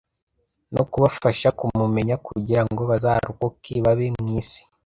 no kubafasha kumumenya kugira ngo bazarokoke babe mu isi